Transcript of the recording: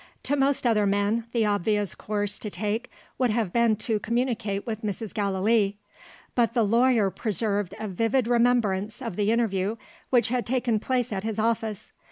To most other men, the obvious course to take would have been to communicate with Mrs. Gallilee. But the lawyer preserved a vivid remembrance of the interview which had taken place at his office.